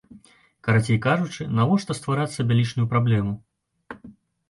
Карацей кажучы, навошта ствараць сабе лішнюю праблему?